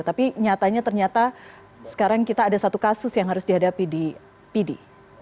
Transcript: tapi nyatanya ternyata sekarang kita ada satu kasus yang harus dihadapi di pd